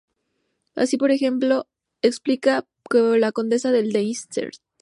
Así por ejemplo, explica que la condesa de Leicester